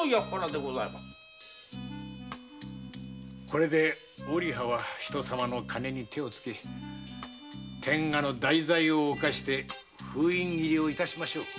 これでおりはは人様の金に手をつけ天下の大罪を犯して封印切りを致しましょう。